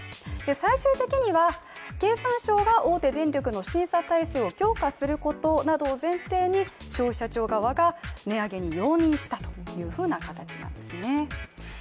最終的には経産省が大手電力の審査体制を強化することなどを前提に消費者庁側が値上げに容認したというふうな形なんですね。